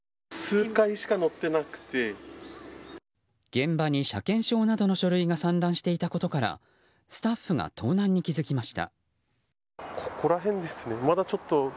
現場に車検証などの書類が散乱していたことからスタッフが盗難に気づきました。